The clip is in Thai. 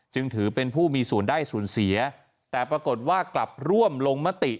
จึงถือเป็นผู้มีส่วนได้ส่วนเสียแต่ปรากฏว่ากลับร่วมลงมติ